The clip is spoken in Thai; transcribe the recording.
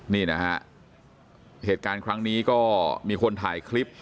นี่นะฮะเหตุการณ์ครั้งนี้ก็มีคนถ่ายคลิป